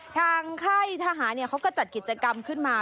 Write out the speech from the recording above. ทางไข้ทหารเนี่ยเขาก็จัดกิจกรรมขึ้นมา